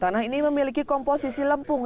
tanah ini memiliki komposisi lempung